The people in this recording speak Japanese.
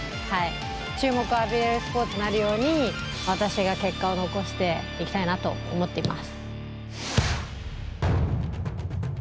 注目を浴びられるスポーツになるように私が結果を残していきたいなと思っています。